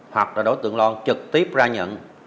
hoặc là đối tượng loan trực tiếp ra nhận